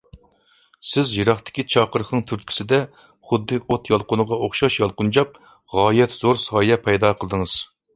سىز يىراقتىكى چاقىرىقنىڭ تۈرتكىسىدە، خۇددى ئوت يالقۇنىغا ئوخشاش يالقۇنجاپ، غايەت زور سايە پەيدا قىلدىڭىز.